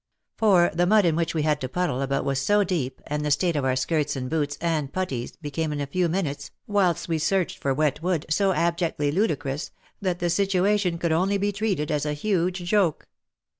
For the mud in which we had to puddle about was so deep and the state of our skirts and boots and putties, became in a few minutes, whilst we searched for wet wood, so abjectly ludicrous, that the situation could only be treated as a huge joke.